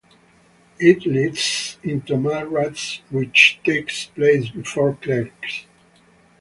It leads into "Mallrats" which takes place before "Clerks".